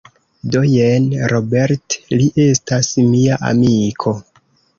Do jen Robert, li estas mia amiko